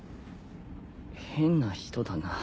変な人だな